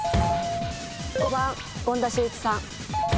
５番権田修一さん。